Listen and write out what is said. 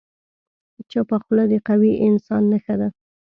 چپه خوله، د قوي انسان نښه ده.